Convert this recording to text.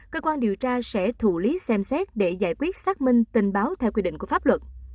cơ quan điều tra sẽ thụ lý xem xét để giải quyết xác minh tình báo theo quy định của pháp luật